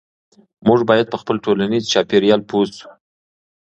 موږ باید په خپل ټولنیز چاپیریال پوه شو.